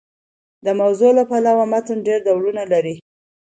د موضوع له پلوه متن ډېر ډولونه لري.